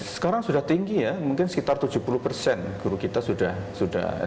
sekarang sudah tinggi ya mungkin sekitar tujuh puluh persen guru kita sudah